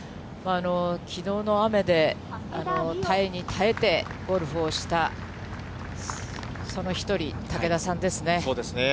きのうの雨で、耐えに耐えてゴルフをした、その１人、そうですね。